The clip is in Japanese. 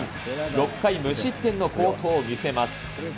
６回無失点の好投を見せます。